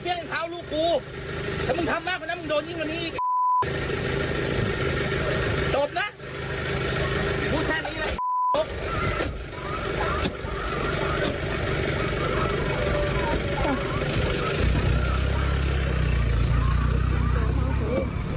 ที่กูตบเมื่อกี้เนี้ยมันเซ็งกับเขาลูกกู